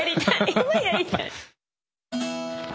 今やりたい。